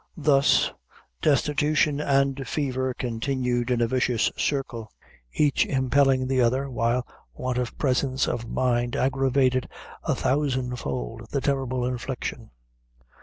Thus, destitution and fever continued in a vicious circle, each impelling the other, while want of presence of mind aggravated a thousandfold the terrible infliction.